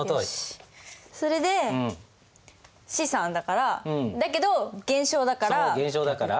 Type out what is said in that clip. それで資産だからだけど減少だから逆。